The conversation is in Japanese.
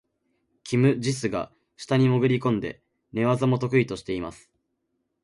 キム・ジスが下に潜り込んで、寝技も得意としています。